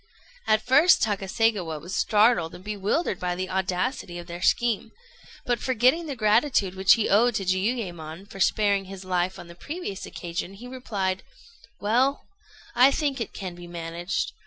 At first Takaségawa was startled and bewildered by the audacity of their scheme; but forgetting the gratitude which he owed to Jiuyémon for sparing his life on the previous occasion, he replied: "Well, I think it can be managed.